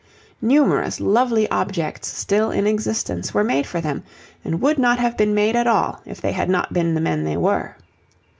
Numerous lovely objects still in existence were made for them, and would not have been made at all if they had not been the men they were.